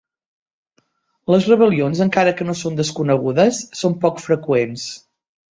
Las rebel·lions, encara que no són desconegudes, són poc freqüents.